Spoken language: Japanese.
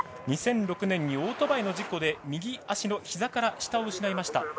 ２００６年にオートバイの事故で右足のひざから下を失いました。